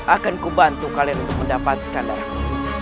akan kubantu kalian untuk mendapatkan darahmu